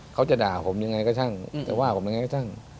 เขาจะด่าผมยังไงก็ช่างจะว่าผมยังไงก็ช่าง